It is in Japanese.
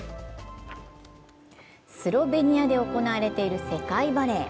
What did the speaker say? スロベニアで行われている世界バレー。